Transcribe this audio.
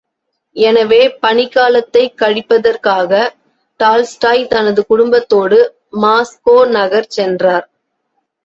எனவே, பனிக்காலத்தைக் கழிப்பதற்காக டால்ஸ்டாய் தனது குடும்பத்தோடு மாஸ்கோ நகர் சென்றார்.